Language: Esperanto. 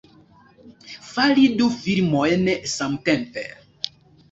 Fari du filmojn samtempe!